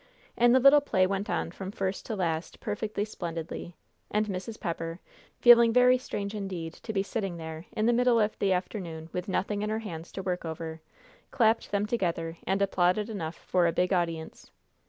And the little play went on from first to last perfectly splendidly, and Mrs. Pepper, feeling very strange indeed to be sitting there in the middle of the afternoon with nothing in her hands to work over, clapped them together and applauded enough for a big audience.